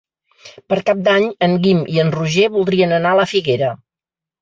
Per Cap d'Any en Guim i en Roger voldrien anar a la Figuera.